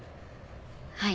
はい。